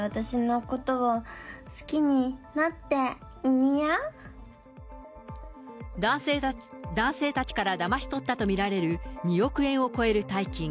じゃあ、男性たちからだまし取ったと見られる２億円を超える大金。